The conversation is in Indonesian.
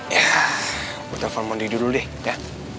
ya gue telepon mondi dulu deh ya